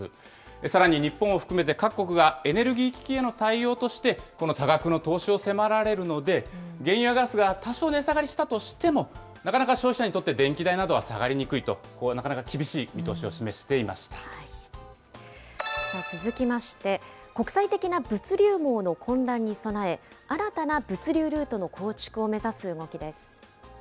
さらに日本を含めて各国がエネルギー危機への対応として、この多額の投資を迫られるので、原油やガスが多少値下がりしたとしても、なかなか消費者にとって電気代などは下がりにくいと、なかなか厳しい見通しを示していま続きまして、国際的な物流網の混乱に備え、新たな物流ルートの構築を目指す動きです。